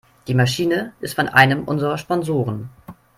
Die Maschine ist von einem unserer Sponsoren.